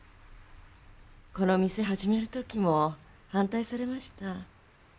この店始める時も反対されました。